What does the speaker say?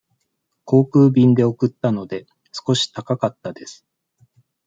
航空便で送ったので、少し高かったです。